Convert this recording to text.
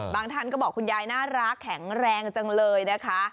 ท่านก็บอกคุณยายน่ารักแข็งแรงจังเลยนะคะ